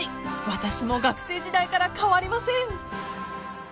私も学生時代から変わりません］